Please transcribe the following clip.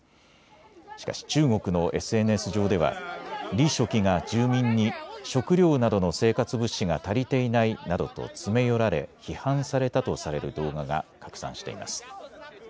しかし中国のＳＮＳ上では李書記が住民に食料などの生活物資が足りていないなどと詰め寄られ、批判されたとされる動画が拡散しています。